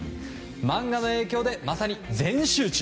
漫画の影響でまさに全集中。